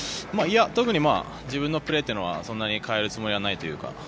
特に自分のプレーというのはそんなに変えるつもりはないというか。